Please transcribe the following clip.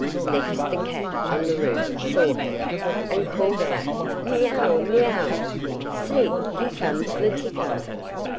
Next the cat on the roof saw her, and called out 'Miaouw! miaouw! see here comes Letiko!